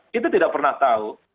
kita tidak pernah tahu